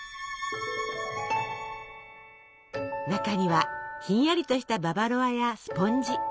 中にはひんやりとしたババロアやスポンジ。